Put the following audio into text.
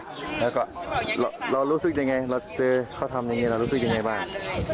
แล้วก็เรารู้สึกยังไงเราเจอเขาทำอย่างนี้เรารู้สึกยังไงบ้าง